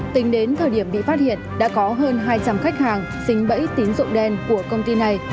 tính đến thời điểm bị phát hiện đã có hơn hai trăm linh khách hàng dính bẫy tín dụng đen của công ty này